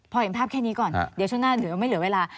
พอเห็นภาพแค่นี้ก่อนเดี๋ยวช่วงหน้าเดี๋ยวเราไม่เหลือเวลา